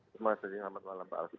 terima kasih selamat malam pak alvin